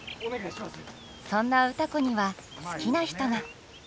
そんな歌子には好きな人が！